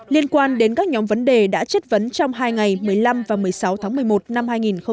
liên quan đến các nhóm vấn đề đã chất vấn trong hai ngày một mươi năm và một mươi sáu tháng một mươi một năm hai nghìn một mươi chín